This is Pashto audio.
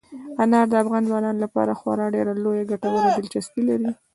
انار د افغان ځوانانو لپاره خورا ډېره لویه کلتوري دلچسپي لري.